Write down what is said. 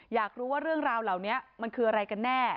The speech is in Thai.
อยากรู้ว่าเรื่องราวเหล่านี้มันคืออะไรกันแน่